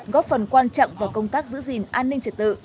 góp phần quan trọng vào công tác giữ gìn an ninh trật tự